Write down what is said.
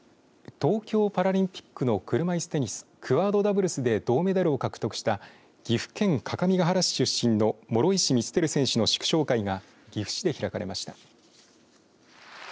東京パラリンピックの車いすテニスクアードダブルスで銅メダルを獲得した岐阜県各務原市出身の諸石光照選手の祝勝会が岐阜市で開かれました。